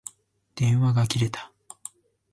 電話が切れた。